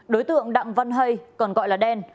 đối tượng đặng văn hây còn gọi là đen